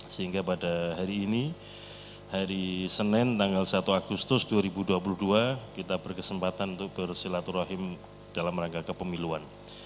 sehingga pada hari ini hari senin tanggal satu agustus dua ribu dua puluh dua kita berkesempatan untuk bersilaturahim dalam rangka kepemiluan